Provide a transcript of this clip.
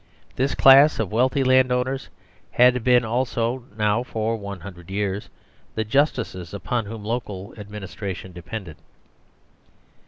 This class of wealthy land owners had been also for now one hundred years the Justices upon whom local ad ministration depended.